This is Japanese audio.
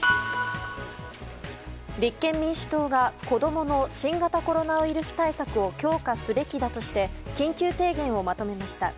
立憲民主党が子供の新型コロナウイルス対策を強化すべきだとして緊急提言をまとめました。